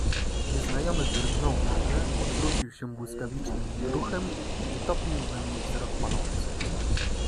"Nieznajomy drgnął nagle, odwrócił się błyskawicznym ruchem i utopił we mnie wzrok palący."